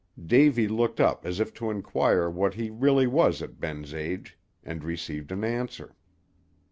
Davy looked up as if to inquire what he really was at Ben's age, and received an answer.